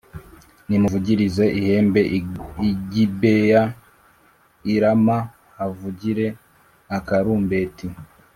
Nimuvugirize ihembe i Gibeya, i Rama havugire akarumbeti,